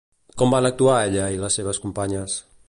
Com van actuar ella i les seves companyes?